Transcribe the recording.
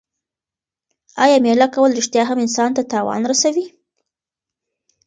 آیا مېله کول رښتیا هم انسان ته تاوان رسوي؟